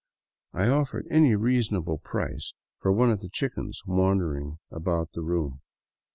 I offered any reasonable price for one of the chickens wandering about the room.